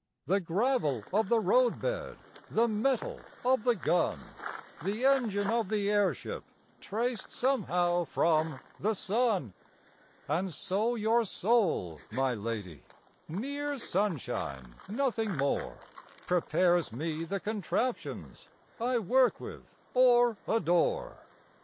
The gravel of the roadbed, The metal of the gun, The engine of the airship Trace somehow from the sun. And so your soul, my lady (Mere sunshine, nothing more) Prepares me the contraptions I work with or adore.